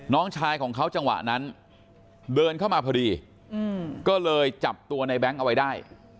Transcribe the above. น้องชายของเขาจังหวะนั้นเดินเข้ามาพอดีก็เลยจับตัวในแบงค์เอาไว้ได้